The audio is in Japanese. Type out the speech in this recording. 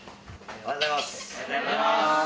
おはようございます。